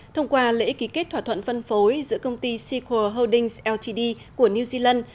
thông qua lễ ký kết thỏa thuận phân phối giữa công ty sequal holdings ltd của new zealand